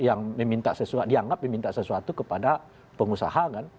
yang dianggap meminta sesuatu kepada pengusaha kan